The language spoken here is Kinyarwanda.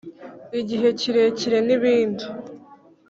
igihe kirekire n ibindi